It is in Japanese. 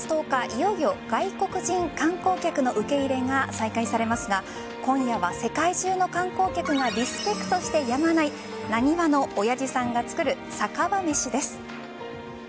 いよいよ外国人観光客の受け入れが再開されますが今夜は世界中の観光客がリスペクトしてやまないナニワの親父さんが作る酒場めしです。